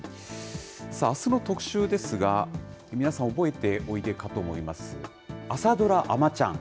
あすの特集ですが、皆さん、覚えておいでかと思います、朝ドラ、あまちゃん。